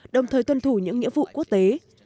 đồng thời tuân thủ những nghĩa vụ quốc tế